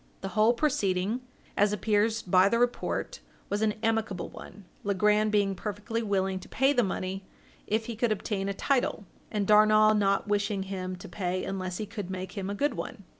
The whole proceeding, as appears by the report, was an amicable one, Legrand being perfectly willing to pay the money, if he could obtain a title, and Darnall not wishing him to pay unless he could make him a good one.